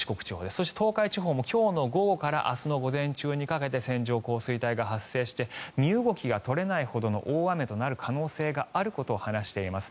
そして東海地方も今日の午後から明日の午前中にかけて線状降水帯が発生して身動きが取れないほどの大雨となる可能性があることを話しています。